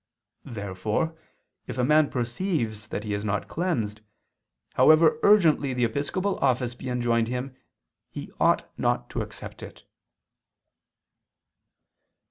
Therefore if a man perceives that he is not cleansed, however urgently the episcopal office be enjoined him, he ought not to accept it.